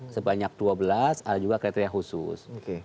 sebanyak dua belas ada juga kriteria khusus